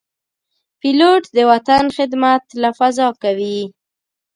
پیلوټ د وطن خدمت له فضا کوي.